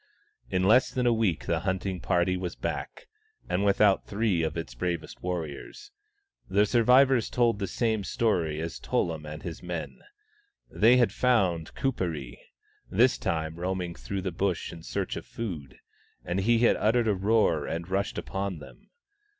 In less than a week the hunting party was back, and without three of its bravest warriors. The survivors told the same story as Tullum and his men. They had found Kuperee, this time roaming through the Bush in search of food ; and he had uttered a roar and rushed upon them.